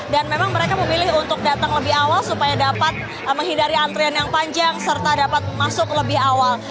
dan memang mereka memilih untuk datang lebih awal supaya dapat menghindari antrian yang panjang serta dapat masuk lebih awal